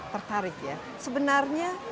tertarik ya sebenarnya